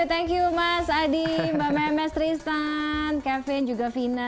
thank you mas adi mbak memes tristan kevin juga vina